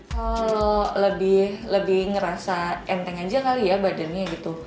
kalau lebih ngerasa enteng aja kali ya badannya gitu